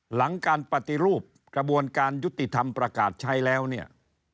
หลังการปฏิรูปกระบวนการยุติธรรมประกาศใช้แล้วเนี่ย